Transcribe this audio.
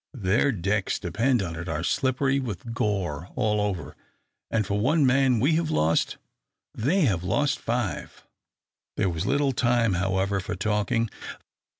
Their decks, depend upon it, are slippery with gore all over, and for one man we have lost, they have lost five." There was little time, however, for talking.